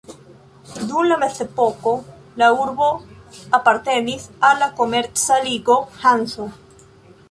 Dum la mezepoko la urbo apartenis al la komerca ligo Hanso.